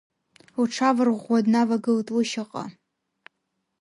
Лҽаварӷәӷәа днавагылт лышьаҟа.